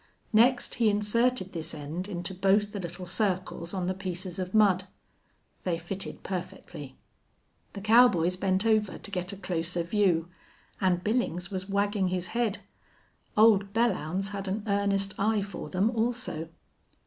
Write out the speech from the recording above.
Next he inserted this end into both the little circles on the pieces of mud. They fitted perfectly. The cowboys bent over to get a closer view, and Billings was wagging his head. Old Belllounds had an earnest eye for them, also.